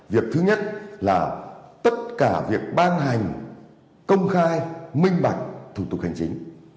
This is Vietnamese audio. việc thứ nhất là tất cả việc ban hành công khai minh bạch thủ tục hành chính